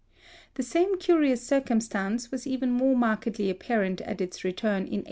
The same curious circumstance was even more markedly apparent at its return in 1838.